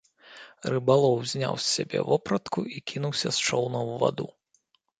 Рыбалоў зняў з сябе вопратку і кінуўся з чоўна ў ваду.